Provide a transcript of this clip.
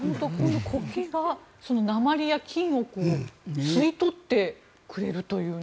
コケが鉛や金を吸い取ってくれるという。